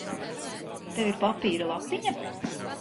Tev ir papīra lapiņa?